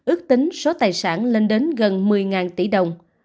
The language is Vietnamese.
ước tính số tài sản lên đến gần một mươi tỷ đồng